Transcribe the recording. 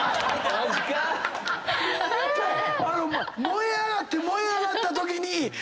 燃え上がって燃え上がったときに。